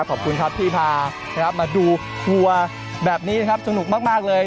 ขอบคุณครับที่พานะครับมาดูวัวแบบนี้นะครับสนุกมากเลย